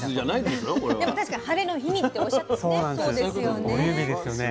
でも確かにハレの日にっておっしゃってね。